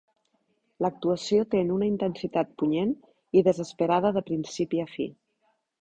L'actuació ten una intensitat punyent i desesperada de principi a fi.